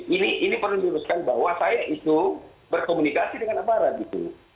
ini perlu diluruskan bahwa saya itu berkomunikasi dengan aparat gitu